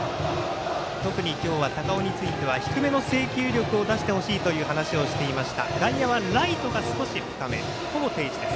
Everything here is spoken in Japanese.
特に今日は高尾については低めの制球力を出してほしいという話をしていました。